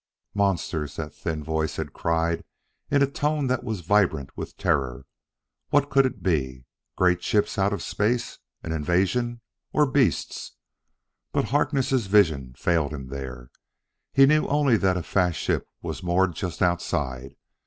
"Monsters!" that thin voice had cried in a tone that was vibrant with terror. What could it be? great ships out of space? an invasion? Or beasts?... But Harkness' vision failed him there. He knew only that a fast ship was moored just outside.